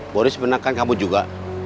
boris menekan kamu juga